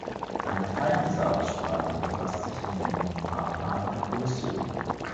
Ein Teil dieser Aussprache befasst sich mit dem Fahrplan der Kommission.